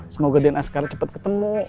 semoga dian askara cepet ketemu